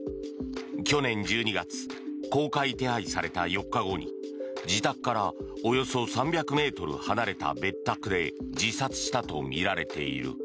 去年１２月公開手配された４日後に自宅からおよそ３００ｍ離れた別宅で自殺したとみられている。